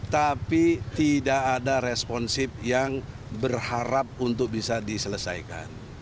tapi tidak ada responsif yang berharap untuk bisa diselesaikan